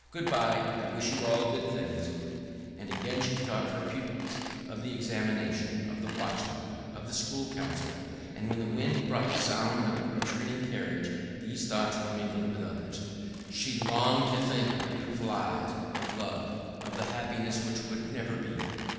"Good by! I wish you all things good!" And again she thought of her pupils, of the examination, of the watchman, of the School Council; and when the wind brought the sound of the retreating carriage these thoughts were mingled with others. She longed to think of beautiful eyes, of love, of the happiness which would never be....